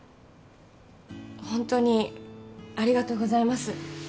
ホントにありがとうございます